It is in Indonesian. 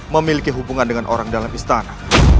memiliki hubungan dengan orang dalam istana